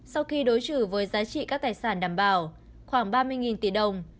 sau khi đối xử với giá trị các tài sản đảm bảo khoảng ba mươi tỷ đồng